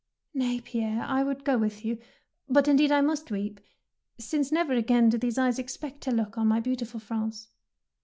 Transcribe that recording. "Nay, Pierre, I would go with you. But indeed I must weep, since never again do these eyes expect to look on my beautiful France."